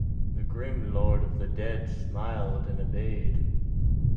The grim lord of the dead smiled and obeyed.